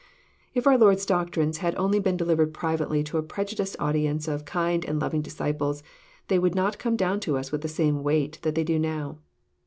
If our Lord's doctrines had only been delivered privately to a prejudiced audience of kind and loving disciples, they would not come down to us with the same weight that they do now.